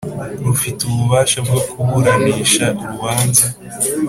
rufite ububasha bwo kuburanisha urubanza